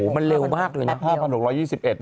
มันเร็วมากเลยนะ